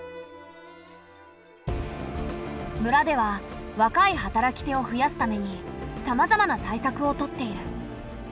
村では若い働き手を増やすためにさまざまな対策を取っている。